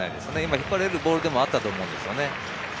引っ張れるボールでもあったと思いますしね。